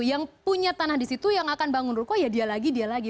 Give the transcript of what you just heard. yang punya tanah di situ yang akan bangun ruko ya dia lagi dia lagi